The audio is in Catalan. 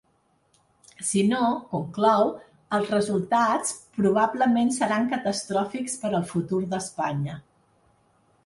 Si no, conclou, els resultats ‘probablement seran catastròfics per al futur d’Espanya’.